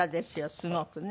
すごくね。